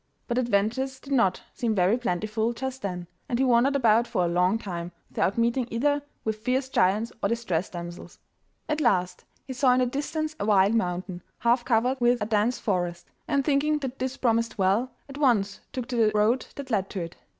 But adventures did not seem very plentiful just then, and he wandered about for a long time without meeting either with fierce giants or distressed damsels. At last he saw in the distance a wild mountain, half covered with a dense forest, and thinking that this promised well at once took the road that led to it.